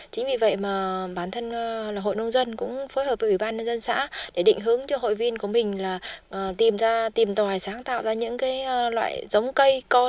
chính vì vậy mà bản thân là hội nông dân cũng phối hợp với ủy ban dân xã để định hướng cho hội viên của mình là tìm tòa sáng tạo ra những loại giống cây